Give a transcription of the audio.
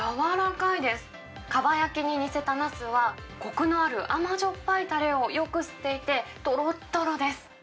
かば焼きに似せたなすは、こくのある甘じょっぱいたれをよく吸っていて、とろっとろです。